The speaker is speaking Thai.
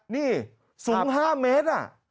นี่สูง๕เมตรอ่ะ